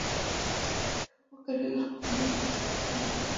ক্ষেমংকরী তাহার মাথায় হাত দিয়া কহিলেন, এসো মা, এসো।